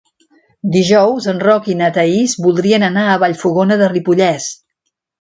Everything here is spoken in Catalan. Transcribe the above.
Dijous en Roc i na Thaís voldrien anar a Vallfogona de Ripollès.